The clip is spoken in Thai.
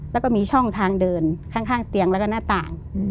แล้วก็มีช่องทางเดินข้างเตียงแล้วก็หน้าต่าง